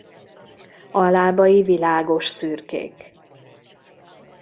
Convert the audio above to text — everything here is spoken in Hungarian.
A lábai világos szürkék.